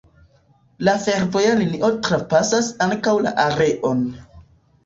La fervoja linio trapasas ankaŭ la areon.